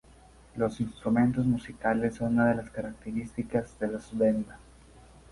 Los instrumentos musicales son una de las características de los venda.